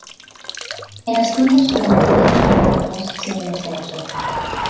En Asturias permaneció dos campañas sin demasiada suerte.